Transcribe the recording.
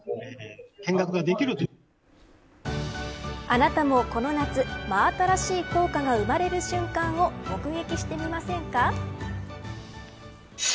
あなたもこの夏真新しい硬貨が生まれる瞬間を目撃してみませんか。